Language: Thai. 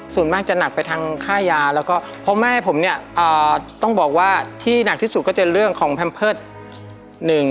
ส่วนมากจะหนักไปทางค่ายาแล้วก็เพราะแม่ผมเนี่ยต้องบอกว่าที่หนักที่สุดก็จะเรื่องของแพมเพิร์ตหนึ่ง